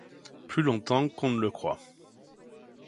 Plus longtemps qu’on ne le croit !